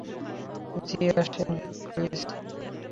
জি আসেন, আসেন প্লিজ।